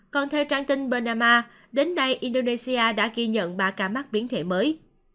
còn theo trang tin bernama đến nay indonesia đã ghi nhận ba ca mắc biến thể mới